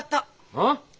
うん？